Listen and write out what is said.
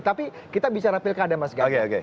tapi kita bicara pilkada mas ganjar